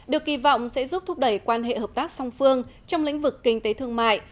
được kỳ vọng sẽ giúp thúc đẩy quan hệ hợp tác song phương trong lĩnh vực kinh tế thương mại